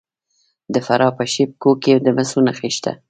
د فراه په شیب کوه کې د مسو نښې شته.